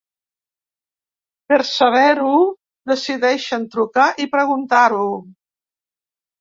Per saber-ho, decideixen trucar i preguntar-ho.